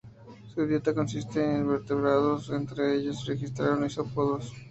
Su dieta consiste de invertebrados, entre ellos se registraron isópodos.